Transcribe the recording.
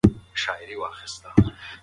پاڼې خپله څانګه په ډېر همت کلي نیولې وه.